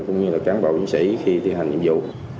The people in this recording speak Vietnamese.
cũng như là cám bộ nhân sĩ khi thi hành nhiệm vụ